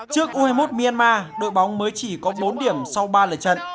trước u hai mươi một myanmar đội bóng mới chỉ có bốn điểm sau ba lời trận